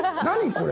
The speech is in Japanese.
これ！